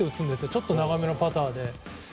ちょっと長めのパターで。